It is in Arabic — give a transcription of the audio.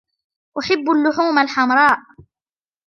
أحب اللحوم الحمراء.